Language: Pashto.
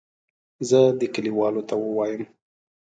زه دې کلیوالو ته ووایم.